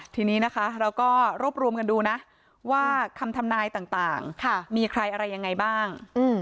ทีนี้นะคะเราก็รวบรวมกันดูนะว่าคำทำนายต่างมีใครอะไรยังไงบ้าง